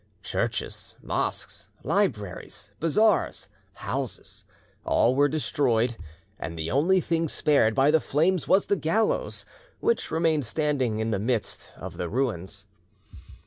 Churches, mosques, libraries, bazaars, houses, all were destroyed, and the only thing spared by the flames was the gallows, which remained standing in the midst of the ruins.